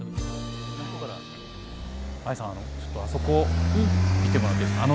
愛さんちょっとあそこ見てもらっていいですか？